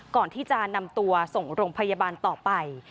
ก่อนที่จะนำตัวส่งโรงพยาบาลต่อไป